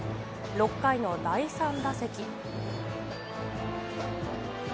６回の第３打席。